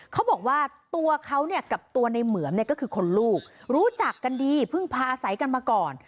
เขาบอกว่าตัวเขาเนี่ยกับตัวในเหมือมเนี่ยก็คือคนลูกรู้จักกันดีเพิ่งพาอาศัยกันมาก่อน